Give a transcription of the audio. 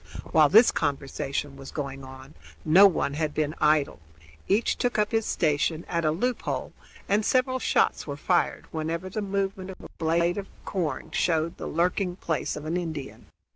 While this conversation was going on no one had been idle. Each took up his station at a loop hole, and several shots were fired whenever the movement of a blade of corn showed the lurking place of an Indian.